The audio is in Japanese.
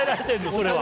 それは。